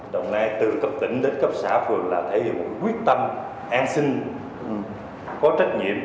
đồng nai từ cấp tỉnh đến cấp xã phường là thể hiện quyết tâm an sinh có trách nhiệm